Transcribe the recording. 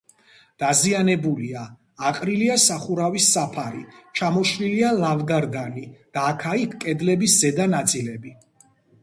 დაზიანებულია: აყრილია სახურავის საფარი, ჩამოშლილია ლავგარდანი და აქა-იქ კედლების ზედა ნაწილები.